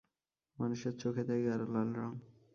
মানুষের চোখে দেয় গাঢ় লাল রঙ।